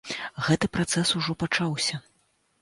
Гэты працэс ужо пачаўся.